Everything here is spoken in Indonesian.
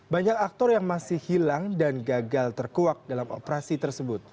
banyak aktor yang masih hilang dan gagal terkuak dalam operasi tersebut